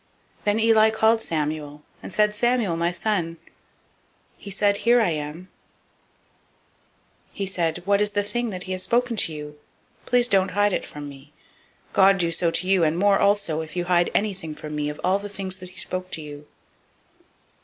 003:016 Then Eli called Samuel, and said, Samuel, my son. He said, Here am I. 003:017 He said, "What is the thing that [Yahweh] has spoken to you? Please don't hide it from me. God do so to you, and more also, if you hide anything from me of all the things that he spoke to you."